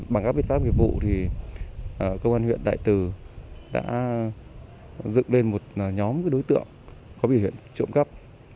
bằng các biện pháp nghiệp vụ công an huyện đại từ đã dựng lên một nhóm đối tượng có biện huyện trộm cắp